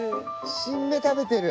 新芽食べてる。